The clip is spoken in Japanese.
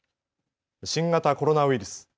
新型コロナウイルス。